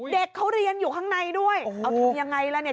เด็กเขาเรียนอยู่ข้างในด้วยเอาทำยังไงล่ะเนี่ย